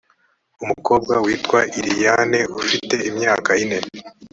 umukobwa witwa iliana ufite imyaka ine